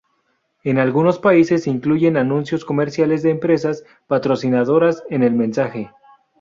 En algunos países se incluyen anuncios comerciales de empresas patrocinadoras en el mensaje.